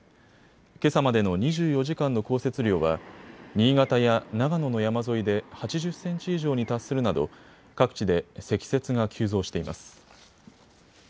けさまでの２４時間の降雪量は新潟や長野の山沿いで８０センチ以上に達するなど各地で積雪が急増しています。